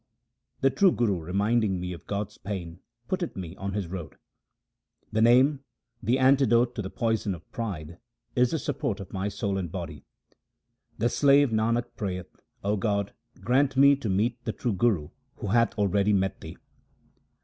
The true Guru reminding me of God's name putteth me on His road. The Name, the antidote to the poison of pride, is the support of my soul and body. The slave Nanak prayeth, O God, grant me to meet the true Guru who hath already met Thee.